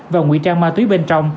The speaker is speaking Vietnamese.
và nguy trang ma túy bên trong